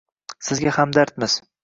Sizga hamdardmiz.